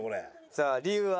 さあ理由は？